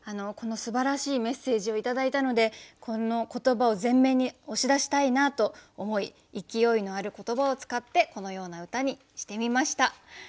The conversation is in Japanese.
このすばらしいメッセージを頂いたのでこの言葉を前面に押し出したいなと思い勢いのある言葉を使ってこのような歌にしてみました。